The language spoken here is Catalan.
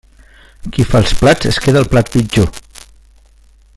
Qui fa els plats es queda el plat pitjor.